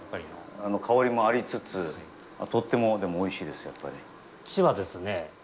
香りもありつつ、とってもおいしいです、やっぱり。